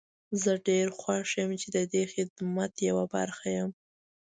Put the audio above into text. زه ډير خوښ يم چې ددې خدمت يوه برخه يم.